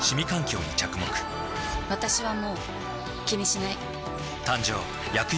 私はもう気にしない。